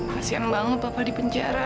kasihan banget papa di penjara